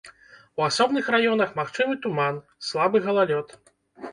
У асобных раёнах магчымы туман, слабы галалёд.